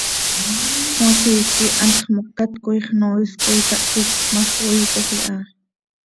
Cmajiic quih hantx mocat coi xnoois coi tahsíc ma x, oiitoj iha.